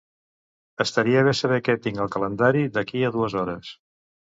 Estaria bé saber què tinc al calendari d'aquí a dues hores.